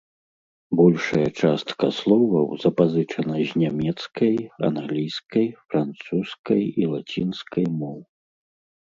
Большая частка словаў запазычана з нямецкай, англійскай, французскай і лацінскай моў.